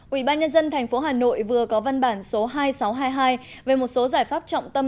ủy ban nhân dân tp hà nội vừa có văn bản số hai nghìn sáu trăm hai mươi hai về một số giải pháp trọng tâm